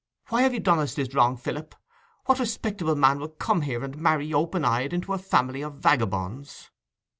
Why have you done us this wrong, Philip? What respectable man will come here, and marry open eyed into a family of vagabonds?